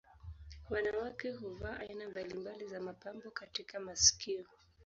Wanawake huvaa aina mbalimbali za mapambo katika masikio